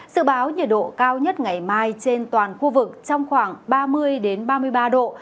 sự báo nhiệt độ cao nhất ngày mai trên toàn khu vực trong khoảng ba mươi ba mươi ba độ